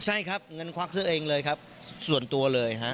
ใช่ครับเงินควักซื้อเองเลยครับส่วนตัวเลยฮะ